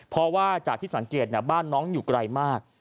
เพราะว่าจากที่สังเกตบ้านน้องอยู่ไกลมาก